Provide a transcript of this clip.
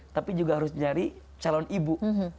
tapi juga harus nyari calon ibu